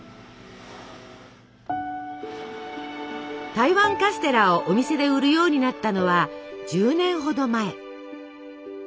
台湾カステラをお店で売るようになったのは１０年ほど前。